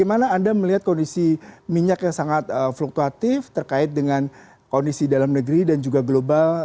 bagaimana anda melihat kondisi minyak yang sangat fluktuatif terkait dengan kondisi dalam negeri dan juga global